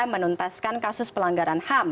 menuntaskan kasus pelanggaran ham